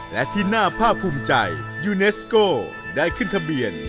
และที่น่าภาคภูมิใจยูเนสโก้ได้ขึ้นทะเบียน